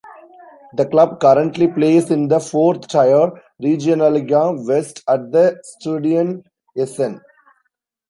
The club currently plays in the fourth-tier Regionalliga West, at the Stadion Essen.